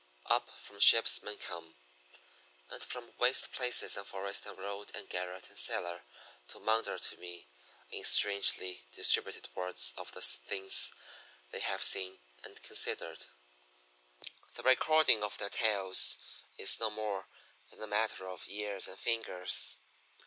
Up from ships men come, and from waste places and forest and road and garret and cellar to maunder to me in strangely distributed words of the things they have seen and considered. The recording of their tales is no more than a matter of ears and fingers.